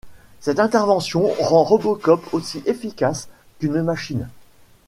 Cette intervention rend RoboCop aussi efficace qu'une machine.